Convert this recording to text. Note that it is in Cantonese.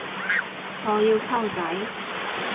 我要溝仔